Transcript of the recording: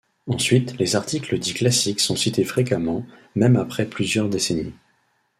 Ensuite, les articles dits classiques sont cités fréquemment, même après plusieurs décennies.